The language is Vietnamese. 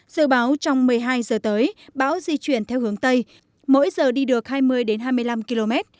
dự báo trong một mươi hai giờ tới bão di chuyển theo hướng tây mỗi giờ đi được hai mươi hai mươi năm km